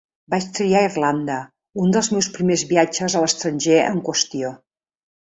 Vaig triar Irlanda, un dels meus primers viatges a l'estranger en qüestió.